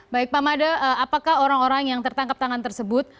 baik pak mada apakah orang orang yang tertangkap tangan tersebut